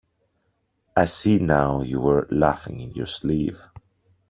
I see now you were laughing in your sleeve.